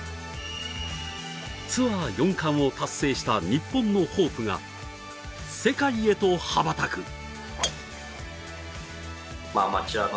ツアー４冠を達成した日本のホープが世界へと羽ばたく。